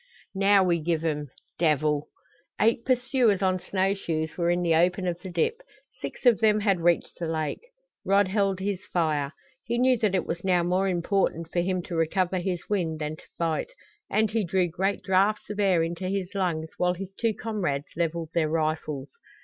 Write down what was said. "Now we give 'em devil!" Eight pursuers on snow shoes were in the open of the dip. Six of them had reached the lake. Rod held his fire. He knew that it was now more important for him to recover his wind than to fight, and he drew great drafts of air into his lungs while his two comrades leveled their rifles.